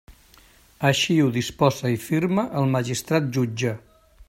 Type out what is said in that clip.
Així ho disposa i firma el magistrat jutge.